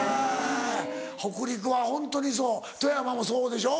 北陸はホントにそう富山もそうでしょ？